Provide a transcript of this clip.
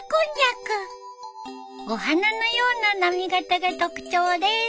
お花のような波形が特徴です。